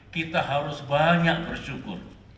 kita harus banyak bersyukur